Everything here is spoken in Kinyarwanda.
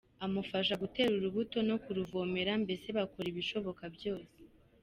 amufasha gutera urubuto no kuruvomerera mbese bakora ibishoboka byose.